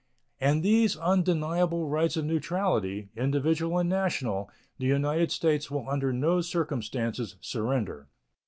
And these undeniable rights of neutrality, individual and national, the United States will under no circumstances surrender.